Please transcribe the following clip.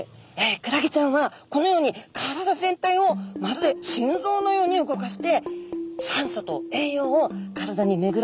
クラゲちゃんはこのように体全体をまるで心臓のように動かして酸素と栄養を体に巡らせてるそうなんですよ。